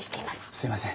すいません。